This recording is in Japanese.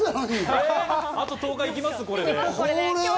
これであと１０日行きます？